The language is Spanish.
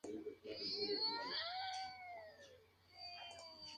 El pavimento es rematado por un parapeto moldurado con volutas.